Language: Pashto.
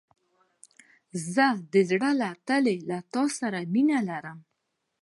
زه د زړه له تله له تا سره مينه لرم.